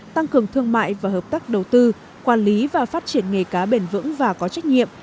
tăng cường thương mại và hợp tác đầu tư quản lý và phát triển nghề cá bền vững và có trách nhiệm